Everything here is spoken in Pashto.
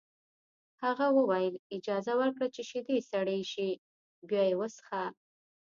هغه وویل اجازه ورکړه چې شیدې سړې شي بیا یې وڅښه